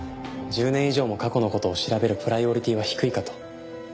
１０年以上も過去の事を調べるプライオリティは低いかと。